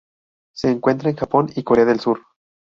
Se encuentra en Japón y Corea del Sur.